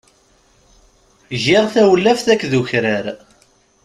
Giɣ tawlaft akked ukrar.